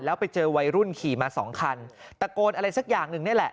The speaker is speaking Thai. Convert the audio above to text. แล้วไปเจอวัยรุ่นขี่มาสองคันตะโกนอะไรสักอย่างหนึ่งนี่แหละ